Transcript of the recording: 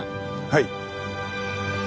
はい。